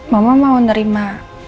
mama mau nerima